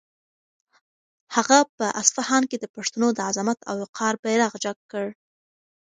هغه په اصفهان کې د پښتنو د عظمت او وقار بیرغ جګ کړ.